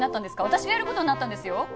私がやる事になったんですよ。